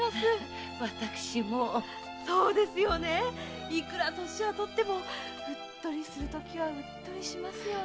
そうですよねいくら年は取ってもうっとりするときはうっとりしますよね。